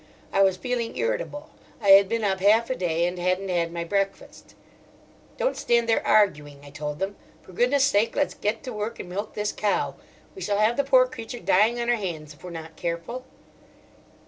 I was feeling irritable. I had been up half a day, and hadn't had my breakfast. "Don't stand there arguing," I told them. "For goodness' sake let's get to work and milk this cow. We shall have the poor creature dying on our hands if we're not careful."